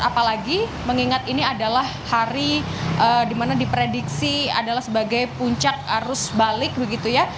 apalagi mengingat ini adalah hari dimana diprediksi adalah sebagai puncak arus balik begitu ya